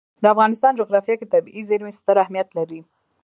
د افغانستان جغرافیه کې طبیعي زیرمې ستر اهمیت لري.